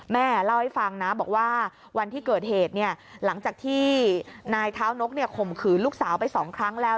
แม่เล่าให้ฟังนะบอกว่าวันที่เกิดเหตุหลังจากที่นายเท้านกข่มขืนลูกสาวไป๒ครั้งแล้ว